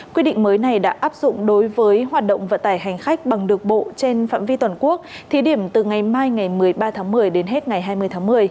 quy định mới này đã áp dụng đối với hoạt động vận tải hành khách bằng được bộ trên phạm vi toàn quốc thí điểm từ ngày mai ngày một mươi ba tháng một mươi đến hết ngày hai mươi tháng một mươi